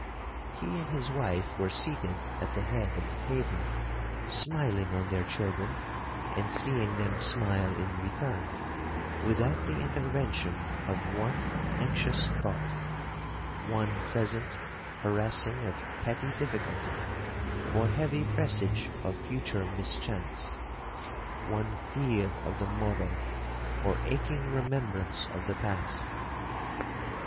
He and his wife were seated at the head of the table, smiling on their children, and seeing them smile in return, without the intervention of one anxious thought,—one present harassing of petty difficulty, or heavy presage of future mischance,—one fear of the morrow, or aching remembrance of the past.